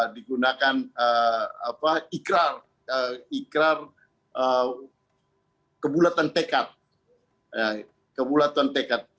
digunakan ikrar kebulatan tekat